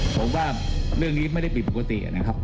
ผมว่าเรื่องนี้ไม่ได้ผิดปกตินะครับ